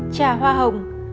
hai trà hoa hồng